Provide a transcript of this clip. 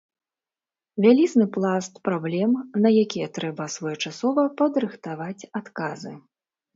Вялізны пласт праблем, на якія трэба своечасова падрыхтаваць адказы.